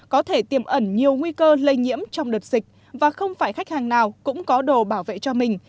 có thể tiềm ẩn nhiều nguy cơ lây nhiễm trong đợt dịch và không phải khách hàng nào cũng có đồ bảo vệ cho mình